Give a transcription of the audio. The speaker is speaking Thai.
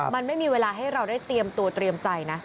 มันไม่มีเวลาให้เราได้เตรียมตัวเตรียมใจนะ